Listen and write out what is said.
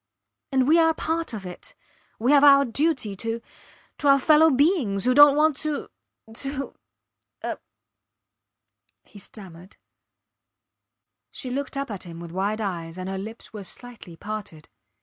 And we are part of it. We have our duty to to our fellow beings who dont want to ... to ... er. He stammered. She looked up at him with wide eyes, and her lips were slightly parted.